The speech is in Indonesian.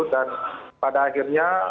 dan pada akhirnya